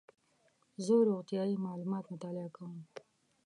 زه روغتیایي معلومات مطالعه کوم.